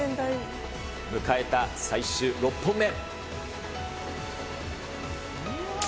迎えた最終６本目。